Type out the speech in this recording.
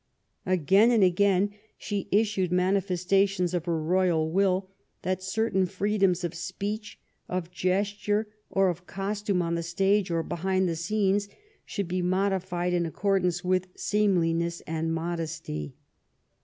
Again and again she issued manifestations of her royal will that certain freedoms of speech, of gesture, or of costume on the stage or behind the scenes should be modified in accordance with seemliness and modesty.